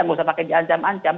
nggak usah pakai diancam ancam